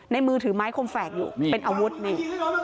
มือถือไม้คมแฝกอยู่นี่เป็นอาวุธนี่